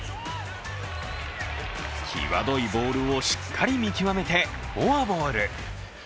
際どいボールをしっかり見極めてフォアボール。